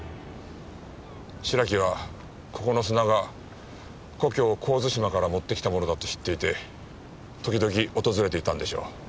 白木はここの砂が故郷神津島から持ってきたものだと知っていて時々訪れていたんでしょう。